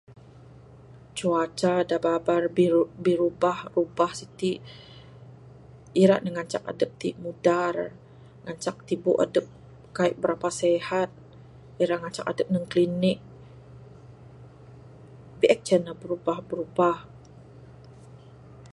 Cuaca da babar biru...birubah ubah siti ira ne ngancak adep ti mudar... ngancak tibuk adep kaii birapa sihat...ira ngancak adep neg klinik...biek ceh ne birubah birubah.